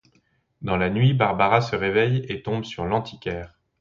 Dans la nuit, Barbara se réveille et tombe sur l'antiquaire.